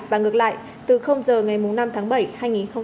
và ngược lại từ h ngày năm tháng bảy hai nghìn hai mươi một